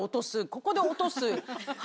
ここで落とす。